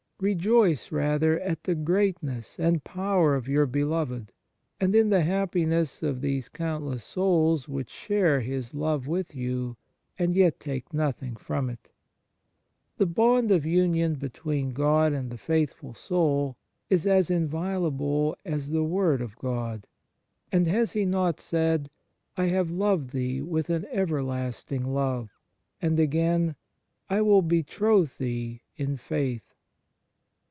Rejoice, rather, at the greatness and power of your Beloved, and in the happiness of these countless souls which share His love with you and yet take nothing from it. 1 Eph. v. 27. 2 Eph. v. 25. 74 ON THE SUBLIME UNION WITH GOD The bond of union between God and the faithful soul is as inviolable as the word of God. And has He not said, " I have loved thee with an everlasting love "; and again, " I will betroth thee in faith